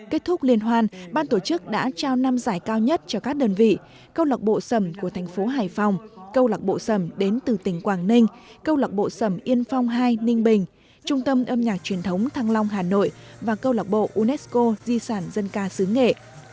kết thúc liên hoan ban tổ chức đã trao năm giải cao nhất cho các đơn vị câu lạc bộ sầm của thành phố hải phòng câu lạc bộ sầm đến từ tỉnh quảng ninh câu lạc bộ sầm yên phong hai ninh bình trung tâm âm nhạc truyền thống thăng long hà nội và câu lạc bộ unesco di sản dân ca sứ nghệ